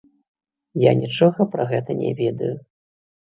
Я нічога пра гэта не ведаю.